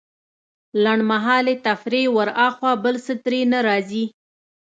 لنډمهالې تفريح وراخوا بل څه ترې نه راځي.